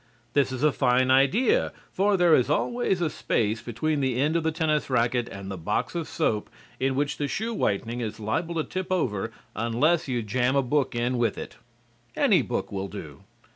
This is a fine idea, for there is always a space between the end of the tennis racquet and the box of soap in which the shoe whitening is liable to tip over unless you jam a book in with it. Any book will do.